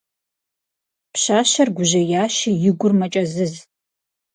Пщащэр гужьеящи, и гур мэкӀэзыз.